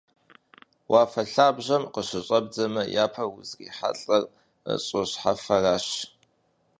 Уафэ лъабжьэм къыщыщӀэбдзэмэ, япэу узрихьэлӀэр щӀы щхьэфэращ.